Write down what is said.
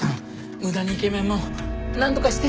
無駄にイケメンもなんとかして！